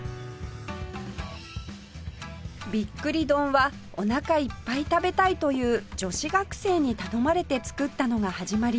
びっくり丼はおなかいっぱい食べたいという女子学生に頼まれて作ったのが始まりです